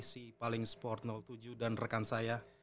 si paling sport tujuh dan rekan saya